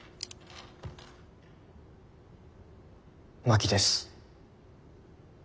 真木です。